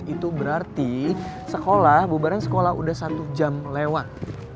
itu berarti sekolah bubaran sekolah sudah satu jam lewat